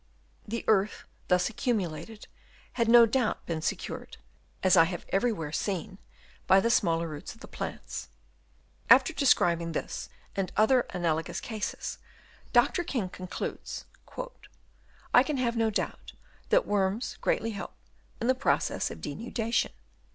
The earth thus accumulated had no doubt been secured (as I have everywhere seen) by the smaller roots of the plants. After describing this and other analogous cases, Dr. King con cludes :" I can have no doubt that worms " help greatly in the process of denudation."